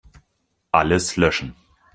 Alles löschen.